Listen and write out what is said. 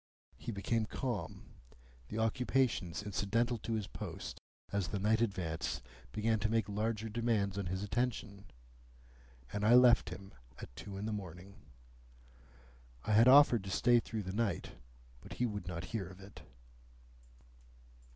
He became calm; the occupations incidental to his post as the night advanced began to make larger demands on his attention: and I left him at two in the morning. I had offered to stay through the night, but he would not hear of it.